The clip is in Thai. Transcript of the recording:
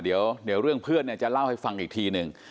เดี๋ยวเรื่องเพื่อนเนี่ยจะเล่าให้ฟังอีกทีหนึ่ง